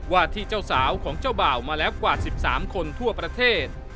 ว่าที่เจ้าสาวของเจ้าบ่าวมาแล้วกว่า๑๓คนทั่วประเทศ